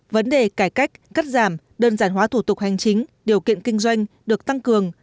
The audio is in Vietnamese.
vấn đề cải cách cắt giảm đơn giản hóa thủ tục hành chính điều kiện kinh doanh được tăng cường